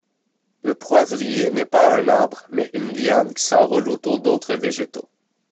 Le poivrier n'est pas un arbre mais une liane qui s'enroule autour d'autres végétaux.